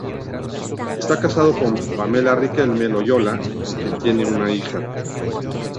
Está casado con Pamela Riquelme Loyola, con quien tiene una hija.